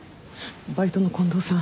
バイトの近藤さん